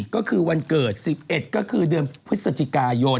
ก็คือวันเกิด๑๑ก็คือเดือนพฤศจิกายน